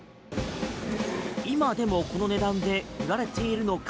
今でもこの値段で売られているのか。